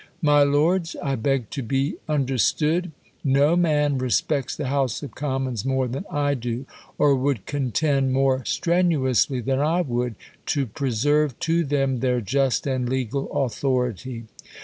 My lords, I beg to be understood. No man respects the House of Commons more than I do, or would con tend more strenuously than I would, to preserve to them their just and legal authority.